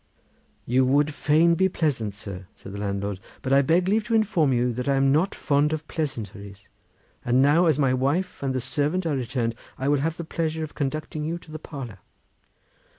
"You would fain be pleasant, sir," said the landlord; "but I beg leave to inform you that I am not fond of pleasantries; and now as my wife and the servant are returned, I will have the pleasure of conducting you to the parlour."